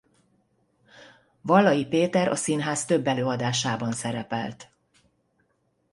Vallai Péter a színház több előadásában szerepelt.